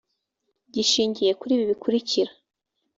gishingiye kuri ibi bikurikira